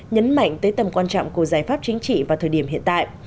nhấn mạnh tới tầm quan trọng của giải pháp chính trị vào thời điểm hiện tại